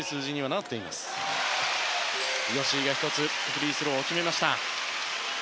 吉井が１つフリースローを決めました。